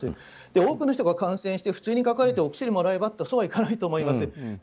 多くの人が感染して普通にかかってお薬もらえばってそうはいかないと思います。